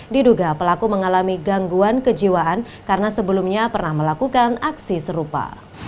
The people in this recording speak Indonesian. diduga pelaku mengalami gangguan kejiwaan karena sebelumnya pernah melakukan aksi serupa